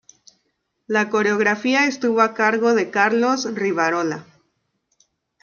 La coreografía estuvo a cargo de Carlos Rivarola.